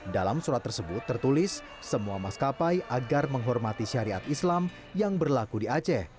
dalam surat tersebut tertulis semua maskapai agar menghormati syariat islam yang berlaku di aceh